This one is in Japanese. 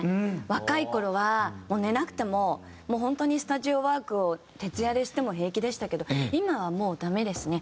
若い頃はもう寝なくてももう本当にスタジオワークを徹夜でしても平気でしたけど今はもうダメですね。